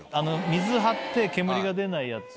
水張って煙が出ないやつ